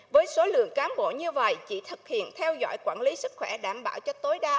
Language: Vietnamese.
với số lượng cán bộ như vậy chỉ thực hiện theo dõi quản lý sức khỏe đảm bảo cho tối đa